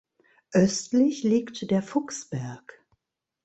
Östlich liegt der "Fuchsberg".